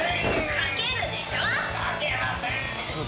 かけません。